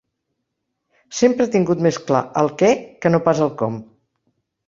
Sempre ha tingut més clar el què que no pas el com.